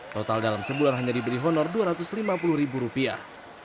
total dalam sebulan hanya diberi honor dua ratus lima puluh ribu rupiah